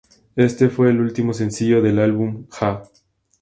Éste fue el último sencillo del álbum "Ha!